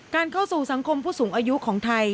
เข้าสู่สังคมผู้สูงอายุของไทย